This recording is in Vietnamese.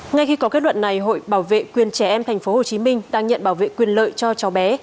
ngay khi có kết luận này hội bảo vệ quyền trẻ em tp hcm đang nhận bảo vệ quyền lợi cho cháu bé